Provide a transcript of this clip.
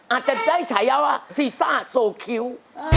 อาจจะได้ฉายาว่าซีซ่าโซคิ้ว